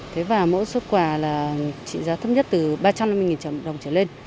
thế và mỗi xuất quà là trị giá thấp nhất từ ba trăm năm mươi đồng trở lên